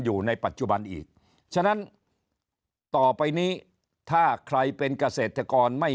อยู่ในปัจจุบันอีกฉะนั้นต่อไปนี้ถ้าใครเป็นเกษตรกรไม่